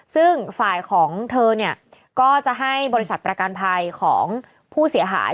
ซึ่งฝ่ายของเธอเนี่ยก็จะให้บริษัทประกันภัยของผู้เสียหาย